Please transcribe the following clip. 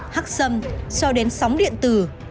hắc xâm cho đến sóng điện tử